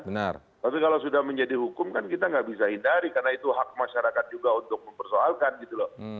tapi kalau sudah menjadi hukum kan kita nggak bisa hindari karena itu hak masyarakat juga untuk mempersoalkan gitu loh